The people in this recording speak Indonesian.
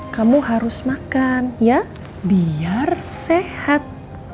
kamu harus makan ya biar sehat